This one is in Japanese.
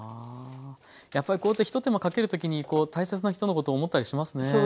やっぱりこうやってひと手間かける時に大切な人のことを思ったりしますね。